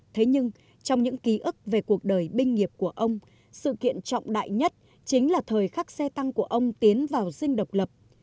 thế nhưng trong những ký ức về cuộc đời binh nghiệp của ông sự kiện trọng đại nhất chính là thời khắc xe tăng của ông tiến vào dinh độc lập